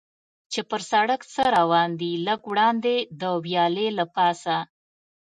چې پر سړک څه روان دي، لږ وړاندې د ویالې له پاسه.